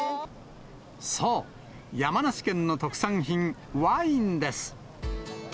そう、山梨県の特産品、ワインです。